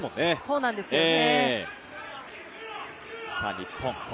そうなんですよね。